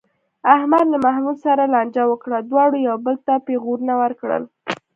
احمد له محمود سره لانجه وکړه، دواړو یو بل ته پېغورونه ورکړل.